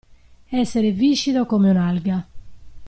Essere viscido come un'alga.